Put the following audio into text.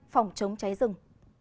phòng chống cháy rừng